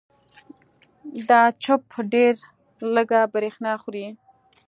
دا چپ ډېره لږه برېښنا خوري.